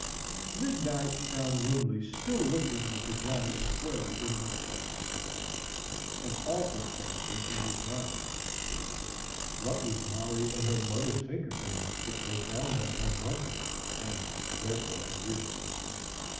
Midnight found Wimley still looking the pajamas squarely in the fuzz. An awful thought was in his mind: What would Molly and her mother think of him if they found them unrumpled and therefore unused?